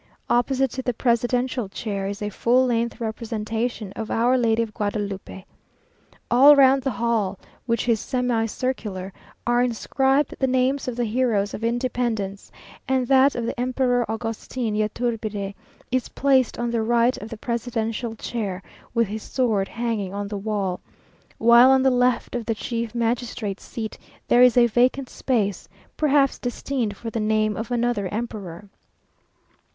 Opposite to the presidential chair is a full length representation of Our Lady of Guadalupe. All round the hall, which is semicircular, are inscribed the names of the heroes of independence, and that of the Emperor Augustin Yturbide is placed on the right of the presidential chair, with his sword hanging on the wall; while on the left of the chief magistrate's seat there is a vacant space; perhaps destined for the name of another emperor.